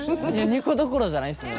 ２個どころじゃないですね